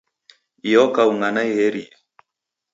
Iyo kaunga naiherie.